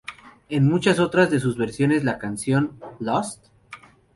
En muchas otras de sus versiones, la canción "Lost?